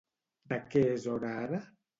De què és hora ara?